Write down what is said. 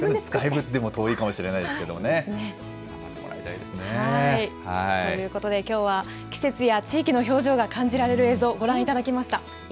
まだ遠いかもしれないですけれどもね。ということで、きょうは季節や地域の表情が感じられる映像、ご覧いただきました。